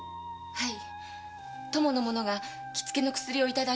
はい。